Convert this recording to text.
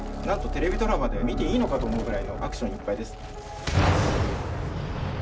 なんとテレビドラマで見ていいのか？と思うくらいのアクションいっぱいです。